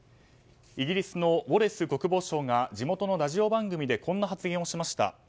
イギリスのウォレス国防相が地元のラジオ番組でこんな発言をしました。